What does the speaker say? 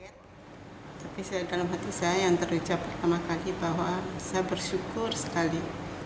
tapi dalam hati saya yang terucap pertama kali bahwa saya bersyukur sekali